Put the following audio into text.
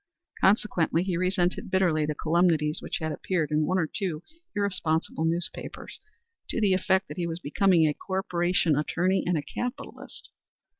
Consequently he resented bitterly the calumnies which had appeared in one or two irresponsible newspapers to the effect that he was becoming a corporation attorney and a capitalist.